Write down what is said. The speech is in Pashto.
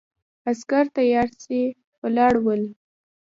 عسکر تیارسي ولاړ ول.